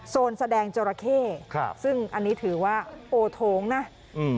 แสดงจราเข้ครับซึ่งอันนี้ถือว่าโอโถงนะอืม